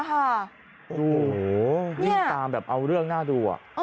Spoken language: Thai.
โอ้โหพี่ตามแบบเอาเรื่องหน้าดูอ่ะ